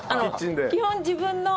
基本自分の。